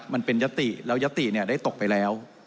มันเป็นยติแล้วยติได้ตกไปแล้ว